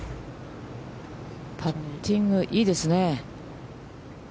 パッティング、いいですね。